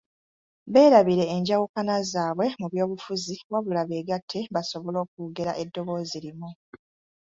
Beerabire enjawukana zaabwe mu byobufuzi wabula beegatte basobole okwogera eddoboozi limu.